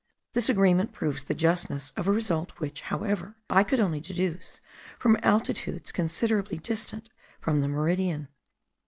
This agreement proves the justness of a result which, however, I could only deduce from altitudes considerably distant from the meridian.